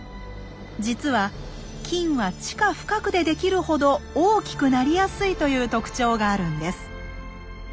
実は金は地下深くで出来るほど大きくなりやすいという特徴があるんです。